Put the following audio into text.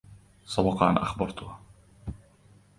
سبق أن أخبرتها.